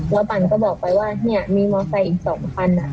แล้วปั่นก็บอกไปว่าเนี้ยมีมอเซย์อีกสองพันอ่ะ